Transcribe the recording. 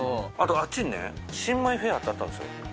あっちにね新米フェアってあったんですよ